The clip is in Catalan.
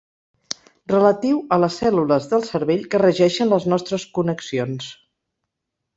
Relatiu a les cèl·lules del cervell que regeixen les nostres connexions.